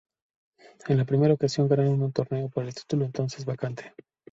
En la primera ocasión ganaron un torneo por el título entonces vacante.